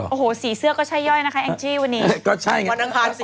โอ้โหสีเสื้อก็ใช่ย่อยนะคะแองจี้วันนี้ก็ใช่